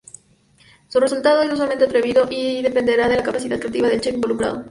Su resultado es usualmente atrevido y dependerá de la capacidad creativa del Chef involucrado.